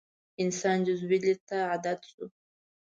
انسان جزوي لید ته عادت شو.